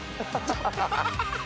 ハハハハ！